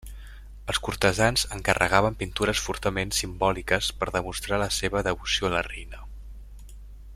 Els cortesans encarregaven pintures fortament simbòliques per demostrar la seva devoció a la reina.